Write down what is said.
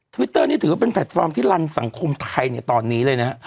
วิตเตอร์นี่ถือว่าเป็นแพลตฟอร์มที่รันสังคมไทยเนี่ยตอนนี้เลยนะฮะ